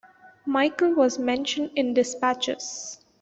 Michael was mentioned in despatches.